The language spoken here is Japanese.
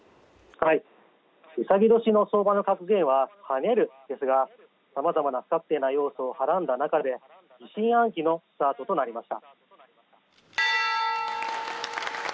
卯年の相場の格言は跳ねるですが様々な不確定な要素をはらんだ中で疑心暗鬼のスタートとなりました。